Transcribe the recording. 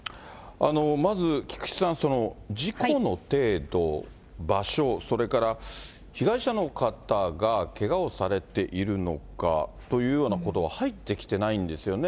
まず菊池さん、事故の程度、場所、それから被害者の方がけがをされているのかというようなことは入ってきてないんですよね。